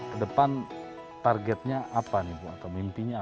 kedepan targetnya apa nih bu atau mimpinya apa